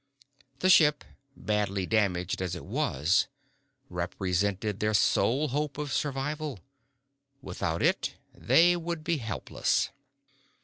The ship, badly damaged as it was, represented their sole hope of survival. Without it, they would be helpless.